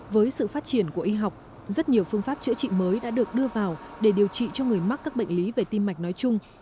với sự phát triển của y học rất nhiều phương pháp chữa trị mới đã được đưa vào để điều trị cho người mắc các bệnh lý về tim mạch nói chung